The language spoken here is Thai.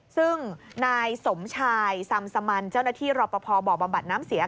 ซึ่งนายสมชายสำสมันต์เจ้านที่ฤพดิ์บ่อบำบัดน้ำเสีย